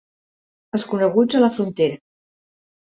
Els coneguts a la frontera.